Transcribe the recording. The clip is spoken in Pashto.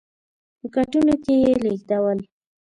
په کټونو کې یې لېږدول.